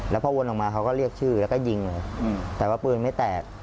แล้วพอวนออกมาเขาก็เรียกชื่อแล้วก็ยิงเลยแต่ว่าปืนไม่แตก